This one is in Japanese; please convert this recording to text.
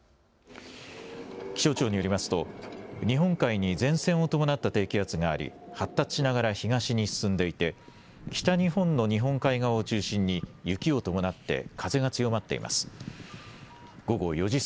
気象庁によりますと日本海に前線を伴った低気圧があり、発達しながら東に進んでいて北日本の日本海側を中心に雪を伴って風が強まっています。